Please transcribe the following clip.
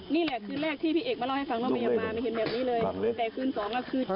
นี่แหละคนแรกที่พี่เอกมาเล่าให้ฟังเรามาเยี่ยมมา